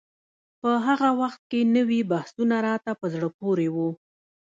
په هغه وخت کې نوي مبحثونه راته په زړه پورې وو.